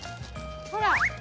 ほら。